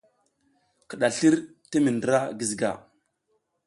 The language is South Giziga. Kiɗaslir ti mi ndra Giziga.